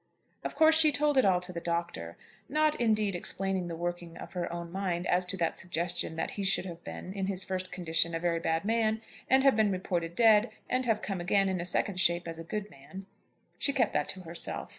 Of course she told it all to the Doctor, not indeed explaining the working of her own mind as to that suggestion that he should have been, in his first condition, a very bad man, and have been reported dead, and have come again, in a second shape, as a good man. She kept that to herself.